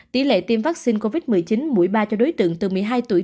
tỷ lệ tiêm vaccine covid một mươi chín mũi ba cho đối tượng từ một mươi hai tuổi